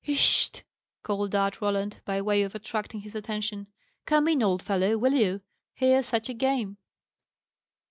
"Hist st st!" called out Roland, by way of attracting his attention. "Come in, old fellow, will you? Here's such a game!"